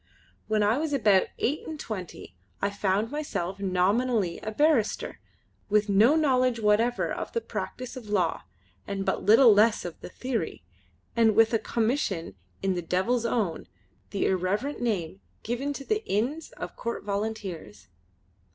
When I was about eight and twenty I found myself nominally a barrister, with no knowledge whatever of the practice of law and but little less of the theory, and with a commission in the Devil's Own the irreverent name given to the Inns of Court Volunteers.